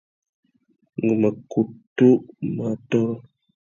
Ngu mà kutu mù atôrô.